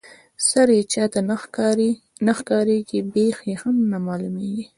سر یې چاته نه ښکاريږي بېخ یې هم نه معلومیږي.